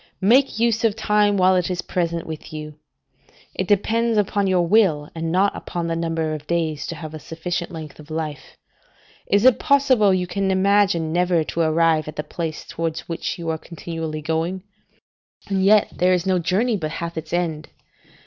Make use of time while it is present with you. It depends upon your will, and not upon the number of days, to have a sufficient length of life. Is it possible you can imagine never to arrive at the place towards which you are continually going? and yet there is no journey but hath its end.